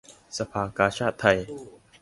สภากาชาดไทย